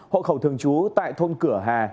hộ khẩu thường chú tại thôn cửa hà